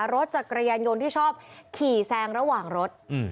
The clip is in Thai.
รถจักรยานยนต์ที่ชอบขี่แซงระหว่างรถ